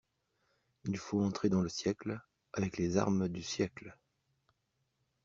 Il faut entrer dans le siècle, avec les armes du siècle.